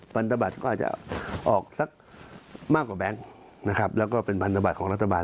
พันธบัตรก็อาจจะออกสักมากกว่าแบงค์นะครับแล้วก็เป็นพันธบัตรของรัฐบาล